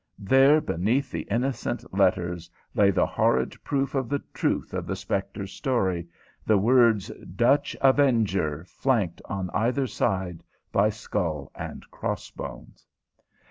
there beneath the innocent letters lay the horrid proof of the truth of the spectre's story, the words Dutch Avenger, flanked on either side by skull and cross bones.